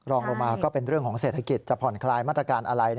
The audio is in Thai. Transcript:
รองลงมาก็เป็นเรื่องของเศรษฐกิจจะผ่อนคลายมาตรการอะไร